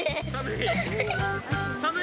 寒い？